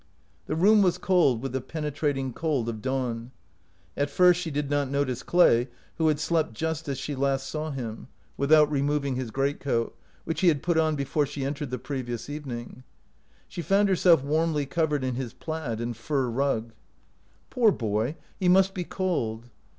The room was cold with the penetrating cold of dawn. At first she did not notice Clay, who had slept just as she last saw him, 170 OUT OF BOHEMIA without removing his greatcoat, which he had put on before she entered the previous evening. She found herself warmly cov ered in his plaid and fur rug. " Poor boy ! he must be cold."